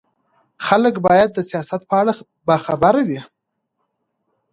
خلک باید د سیاست په اړه باخبره وي